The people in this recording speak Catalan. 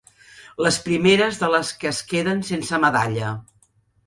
Les primeres de les que es queden sense medalla.